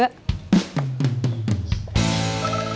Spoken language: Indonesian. alhamdulillah akhirnya berhasil juga